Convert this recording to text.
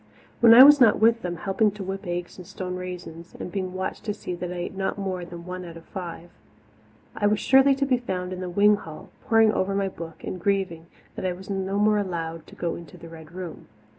When I was not with them, helping to whip eggs and stone raisins, and being watched to see that I ate not more than one out of five, I was surely to be found in the wing hall, poring over my book and grieving that I was no more allowed to go into the Red Room.